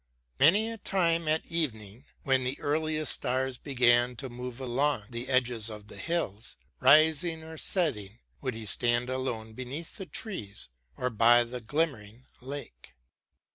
many a time, At evening, when the earliest stars began To move along the edges of the hills. Rising or setting, would he stand alone Beneath the trees, or by the glimmering lake.